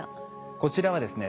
こちらはですね